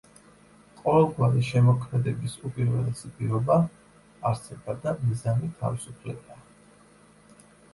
ყოველგვარი შემოქმედების უპირველესი პირობა, არსება და მიზანი თავისუფლებაა.